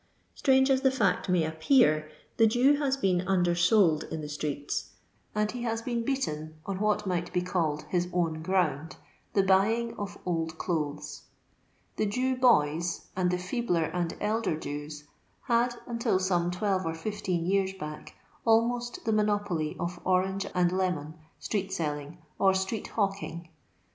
Strange as the fact may appear, the Jew haa been undersold in the streets, and he has been beaten on what might be called his own ground — the buying of old clothes. The Jew boys, and the feebler and elder Jews, had, until some twelve or fifteen years back, almost the monopoly of orange and lemon street selling, or street hawk ing.